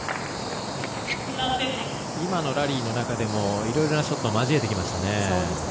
今のラリーの中でもいろいろなショットを交えてきましたね。